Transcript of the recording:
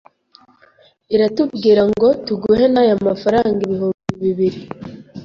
iratubwirango tuguhe n’aya mafaranga ibihumbi bibiri ,